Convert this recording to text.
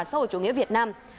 sau chủ nghĩa việt nam